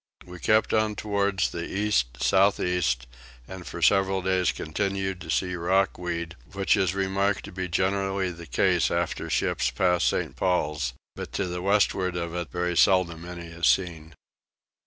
We kept on towards the east south east, and for several days continued to see rock weed, which is remarked to be generally the case after ships pass St. Paul's; but to the westward of it very seldom any is seen.